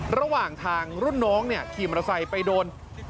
ระหว่างทางรุ่นน้องขี่มอเตอร์ไซค์ไปโดน